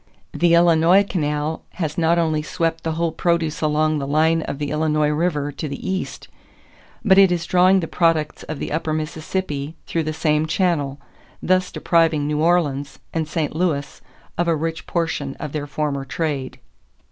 The Illinois canal has not only swept the whole produce along the line of the Illinois River to the East, but it is drawing the products of the upper Mississippi through the same channel; thus depriving New Orleans and St. Louis of a rich portion of their former trade."